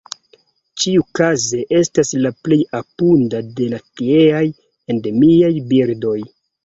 Ĉiukaze estas la plej abunda de la tieaj endemiaj birdoj.